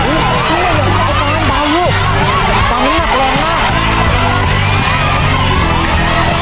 อื้อนี่มันหยุดตรงนี้หนักเร็วมาก